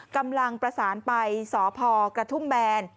กำลังประสานไปสพกระทุ่มแบน